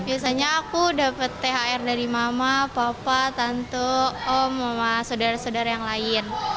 biasanya aku dapat thr dari mama papa tante om mama saudara saudara yang lain